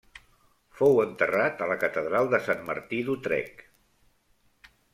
Fou enterrat a la catedral de Sant Martí d'Utrecht.